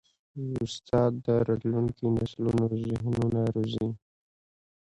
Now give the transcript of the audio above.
استاد د راتلونکي نسلونو ذهنونه روزي.